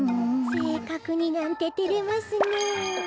せいかくになんててれますねえ。